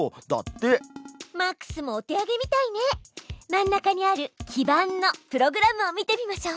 真ん中にある基板のプログラムを見てみましょう。